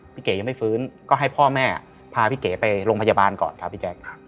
เก๋ยังไม่ฟื้นก็ให้พ่อแม่พาพี่เก๋ไปโรงพยาบาลก่อนครับพี่แจ๊ค